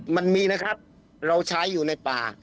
มันมีนะครับเราใช้อยู่ในป่า